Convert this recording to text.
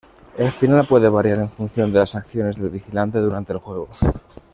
El final puede variar en función de las acciones del vigilante durante el juego.